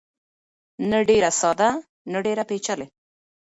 نه ډېر ساده نه ډېر پېچلی.